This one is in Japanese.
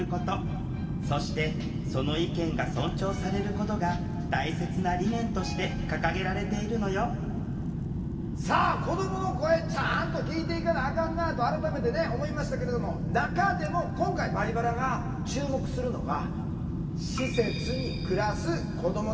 法律では大切な理念として掲げられているのよさあ子どもの声ちゃんと聴いていかなあかんなと改めて思いましたけれども中でも今回「バリバラ」が注目するのがはい。